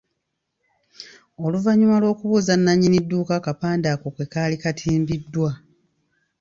Oluvannyuma lw’okubuuza nannyini dduuka akapande ako kwe kaali katimbiddwa.